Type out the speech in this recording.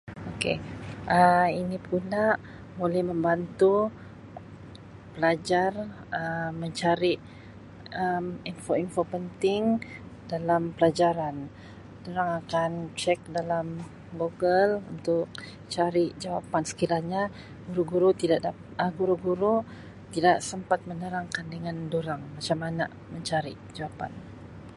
Okay, Um ini pula boleh membantu pelajar Um mencari Um info-info penting dalam pelajaran, durang akan cek dalam Google untuk cari jawapan sekiranya guru-guru tidak da-[Um] guru-guru tidak sempat menerangkan dengan durang macam mana mencari jawapan.